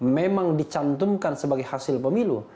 memang dicantumkan sebagai hasil pemilu